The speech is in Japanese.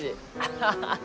ハハハハ。